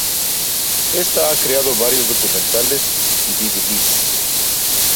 Esta ha creado varios documentales y dvds.